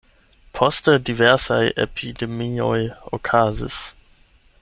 Poste diversaj epidemioj okazis.